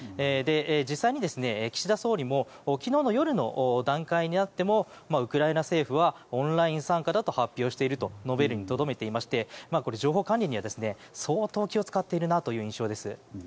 実際に岸田総理も昨日の夜の段階になってもウクライナ政府はオンライン参加だと発表していると述べるにとどめていまして情報管理には相当気を使っている印象です。